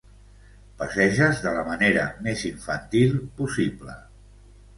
Passeges de la manera més infantil possible.